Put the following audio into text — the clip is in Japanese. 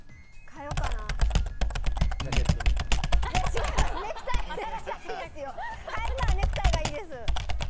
変えるならネクタイがいいです。